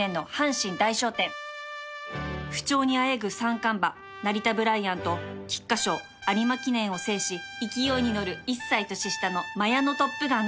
不調にあえぐ三冠馬ナリタブライアンと菊花賞有馬記念を制し勢いに乗る１歳年下のマヤノトップガンの対決